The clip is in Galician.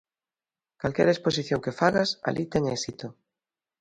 Calquera exposición que fagas, alí ten éxito.